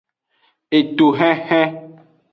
Etohenhen.